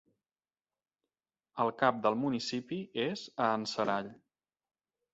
El cap del municipi és a Anserall.